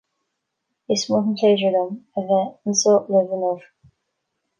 Is mór an pléisiúr dom a bheith anseo libh inniu